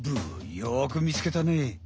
よく見つけたね！